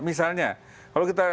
misalnya kalau kita